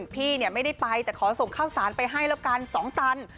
พี่ไม่ได้ไปแต่ขอส่งข้าวสารไปให้แล้วกัน๒ตัน